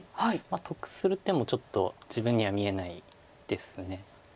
得する手もちょっと自分には見えないです。